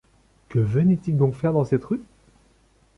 Que venait-il donc faire dans cette rue ?